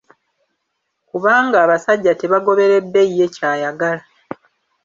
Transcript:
Kubanga abasajja tebagoberedde ye ky'ayagala